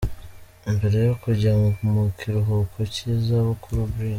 Mbere yo kujya mu kiruhuko cy’izabukuru, Brig.